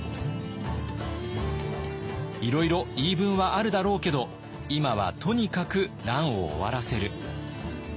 いろいろ言い分はあるだろうけど今はとにかく乱を終わらせる。